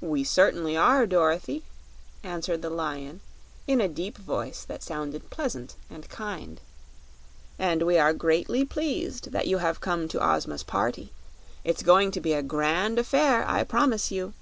"We certainly are, Dorothy," answered the Lion, in a deep voice that sounded pleasant and kind; "and we are greatly pleased that you have come to Ozma's party. It's going to be a grand affair, I promise you."